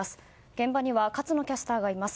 現場には勝野キャスターがいます。